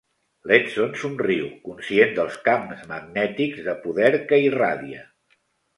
L'Edson somriu, conscient dels camps magnètics de poder que irradia.